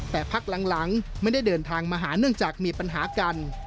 แต่พักหลังไม่ได้เดินทางมาหาเนื่องจากมีปัญหากัน